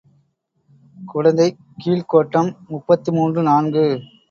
குடந்தைக் கீழ்க் கோட்டம் முப்பத்து மூன்று நான்கு.